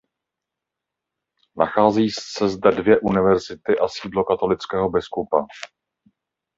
Nacházejí se zde dvě univerzity a sídlo katolického biskupa.